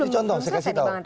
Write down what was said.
contoh saya kasih tahu